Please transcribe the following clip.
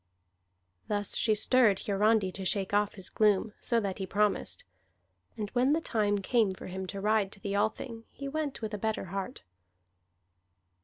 Thus she stirred Hiarandi to shake off his gloom, so that he promised. And when the time came for him to ride to the Althing, he went with a better heart.